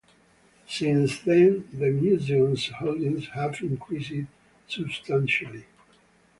Since then the museum's holdings have increased substantially.